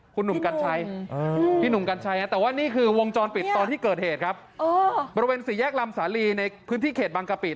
คุณหนุ่มกัญชัยพี่หนุ่มกัญชัยแต่ว่านี่คือวงจรปิดตอนที่เกิดเหตุครับบริเวณสี่แยกลำสาลีในพื้นที่เขตบางกะปิ